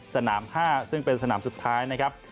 สนาม๕ซึ่งเป็นสนามสุดท้ายนะครับ